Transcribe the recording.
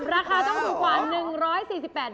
ราคาต้องสุขวาน๑๔๘บาท